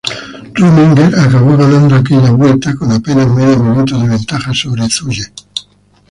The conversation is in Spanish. Rominger acabó ganando aquella Vuelta, con apenas medio minuto de ventaja sobre Zülle.